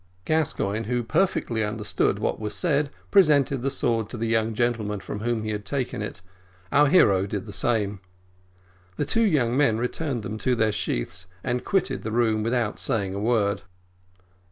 Gascoigne, who perfectly understood what was said, presented the sword to the young gentleman from whom he had taken it our hero did the same. The two young men returned them to their sheaths, and quitted the room without saying a word.